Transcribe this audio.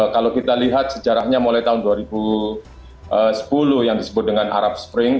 kalau kita lihat sejarahnya mulai tahun dua ribu sepuluh yang disebut dengan arab spring